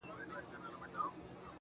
کلی رخصت اخلي ه ښاريه ماتېږي,